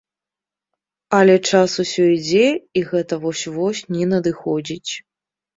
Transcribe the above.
Але, час усё ідзе, і гэта вось-вось не надыходзіць.